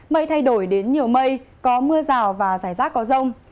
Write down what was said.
mây thay đổi đến nhiều mây có mưa rào và rải rác có rông